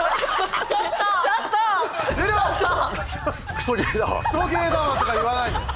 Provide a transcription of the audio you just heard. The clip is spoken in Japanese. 「クソゲーだわ」とか言わない！